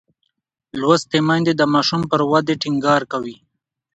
لوستې میندې د ماشوم پر ودې ټینګار کوي.